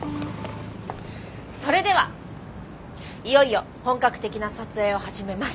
それではいよいよ本格的な撮影を始めます。